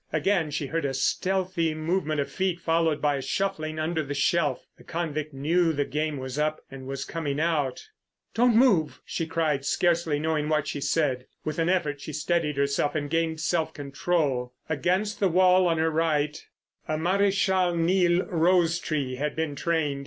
Again she heard a stealthy movement of feet followed by a shuffling under the shelf. The convict knew the game was up and was coming out. "Don't move," she cried, scarcely knowing what she said. With an effort she steadied herself and gained self control. Against the wall on her right a Maréchal Niel rose tree had been trained.